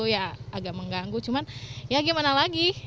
ya agak mengganggu cuman ya gimana lagi